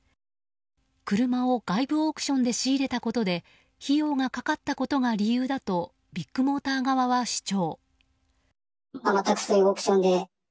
車を外部オークションで仕入れたことで費用がかかったことが理由だとビッグモーター側は主張。